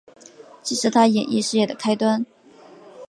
这是她演艺事业的开端。